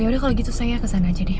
yaudah kalau gitu saya kesana aja deh